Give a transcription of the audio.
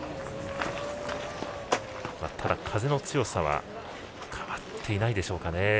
ただ、風の強さは変わっていないでしょうかね。